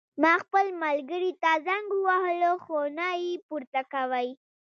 ما خپل ملګري ته زنګ ووهلو خو نه یې پورته کوی